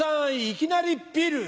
いきなりビール！